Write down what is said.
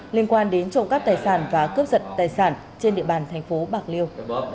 liên quan đến trộm cắp tài sản và cướp giật tài sản trên địa bàn tp bạc liêu